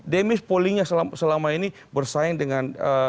damis pollingnya selama ini bersaing dengan